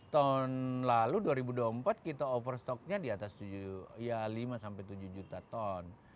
tahun lalu dua ribu dua puluh empat kita over stoknya di atas lima sampai tujuh juta ton